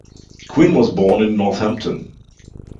Quinn was born in Northampton.